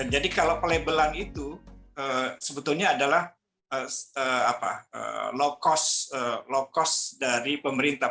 jadi kalau pelabelan itu sebetulnya adalah low cost dari pemerintah